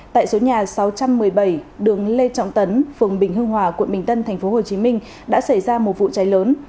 tại số nhà sáu trăm một mươi bảy đường lê trọng tấn phường bình hưng hòa quận bình tân tp hcm đã xảy ra một vụ cháy lớn